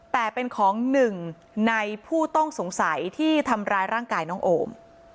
แต่เป็นของหนึ่งในผู้ต้องสงสัยที่ทำร้ายร่างกายน้องโอม